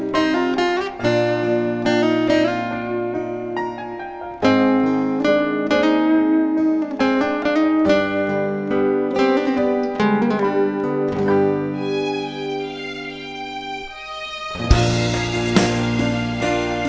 ขอบคุณครับ